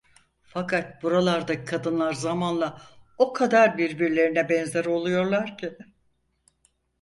Fakat buralardaki kadınlar zamanla o kadar birbirlerine benzer oluyorlar ki...